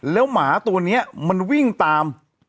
แล้วหมาตัวนี้มันวิ่งตาม